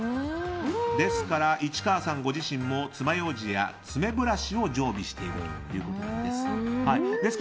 ですから市川さんご自身もつまようじや爪ブラシを常備しているということです。